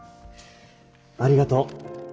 ありがとう。